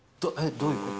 どういうこと？